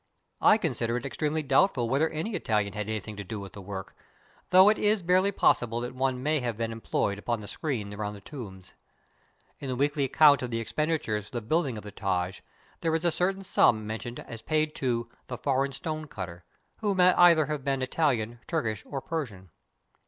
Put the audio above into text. I consider it extremely doubtful whether any Itahan had anything to do with the work, though it is barely possible that one may have been employed upon the screen around the tombs. In the weekly account of the expenditures for the building of the Taj, there is a certain simi mentioned as paid to "the foreign stone cutter," who may either have been Italian, Turkish, or Persian.